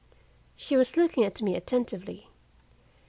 She was looking at me attentively.